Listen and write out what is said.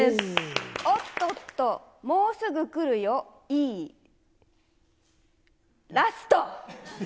おっとっと、もうすぐ来るよ、いいラスト。